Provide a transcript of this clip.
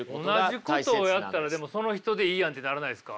同じことをやったらでもその人でいいやんってならないですか？